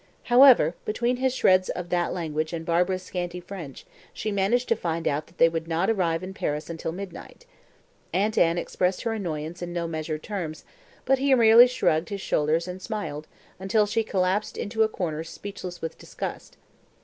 However, between his shreds of that language and Barbara's scanty French she managed to find out that they would not arrive in Paris until midnight. Aunt Anne expressed her annoyance in no measured terms, but he merely shrugged his shoulders and smiled, until she collapsed into a corner speechless with disgust.